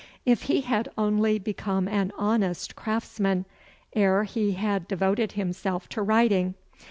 If he had only become an honest craftsman ere he had devoted himself to writing!